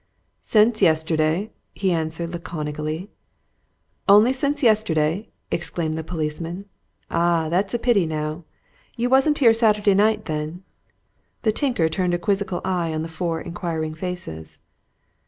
"Since yesterday," he answered laconically. "Only since yesterday!" exclaimed the policeman. "Ah! that's a pity, now. You wasn't here Saturday night, then?" The tinker turned a quizzical eye on the four inquiring faces.